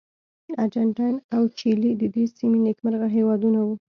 ارجنټاین او چیلي د دې سیمې نېکمرغه هېوادونه وو.